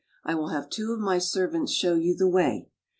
" I will have two of my servants show you the way.